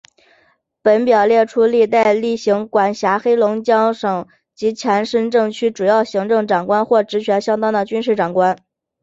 本表列出历代历任管辖今黑龙江省及其前身政区的主要行政长官或职权相当的军政长官。